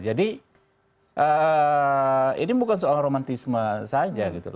jadi ini bukan soal romantisme saja